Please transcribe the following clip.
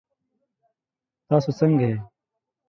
تاسو ځنګه يئ؟